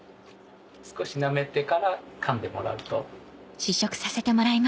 少し舐めてから噛んでもらうと。